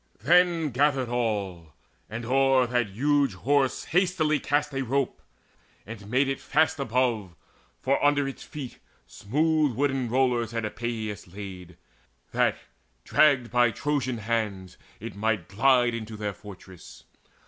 Then gathered all, And o'er that huge Horse hastily cast a rope, And made it fast above; for under its feet Smooth wooden rollers had Epeius laid, That, dragged by Trojan hands, it might glide on Into their fortress.